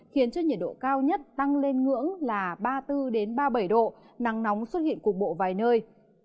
khiến cho nhiệt độ cao nhất tăng lên ngưỡng là ba mươi bốn ba mươi bảy độ nắng nóng xuất hiện cục bộ vài nơi